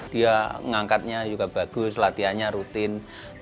dia ngangkatnya juga bagus latihannya rutin